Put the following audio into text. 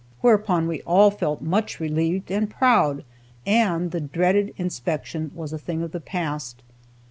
whereupon we all felt much relieved and proud, and the dreaded inspection was a thing of the past.